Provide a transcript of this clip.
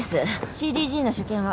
ＣＴＧの所見は？